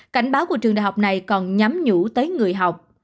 cảnh báo của trường đại học này còn nhắm nhũ tới người học